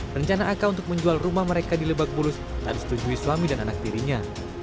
rencana ak untuk menjual rumah mereka di lebak bulus tak disetujui suami dan anak tirinya